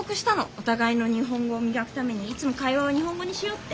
お互いの日本語を磨くためにいつも会話は日本語にしようって。